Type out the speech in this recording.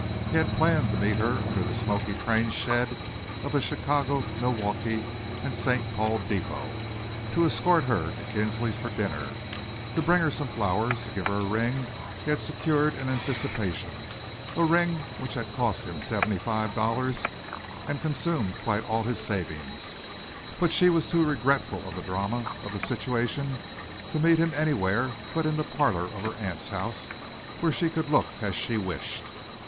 He had planned to meet her under the smoky train shed of the Chicago, Milwaukee and St. Paul depot, to escort her to Kinsley's for dinner, to bring her some flowers, to give her a ring he had secured in anticipation, a ring which had cost him seventy five dollars and consumed quite all his savings; but she was too regardful of the drama of the situation to meet him anywhere but in the parlor of her aunt's house, where she could look as she wished.